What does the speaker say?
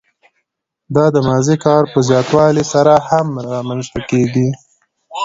دا د اضافي کار په زیاتوالي سره هم رامنځته کېږي